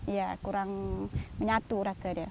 iya kurang menyatu rasanya